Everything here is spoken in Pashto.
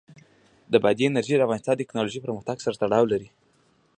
بادي انرژي د افغانستان د تکنالوژۍ پرمختګ سره تړاو لري.